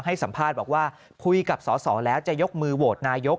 ให้สัมภาษณ์บอกว่าคุยกับสอสอแล้วจะยกมือโหวตนายก